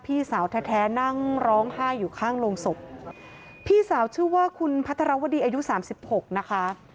พี่สาวแท้แท้นั่งร้องไห้อยู่ข้างโรงศพพี่สาวชื่อว่าคุณพัทรวดีอายุสามสิบหกนะคะ